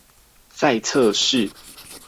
在測試